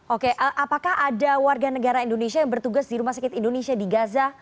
oke apakah ada warga negara indonesia yang bertugas di rumah sakit indonesia di gaza